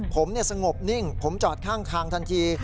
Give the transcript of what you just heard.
ผมสงบนิ่งผมจอดข้างทางทันที